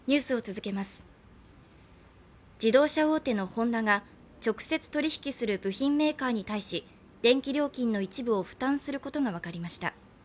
自動車大手のホンダが直接取引する部品メーカーに対し電気料金の一部を負担することが分かりました。